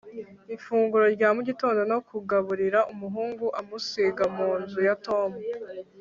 ifunguro rya mu gitondo no kugaburira umuhungu, amusiga mu nzu ya tom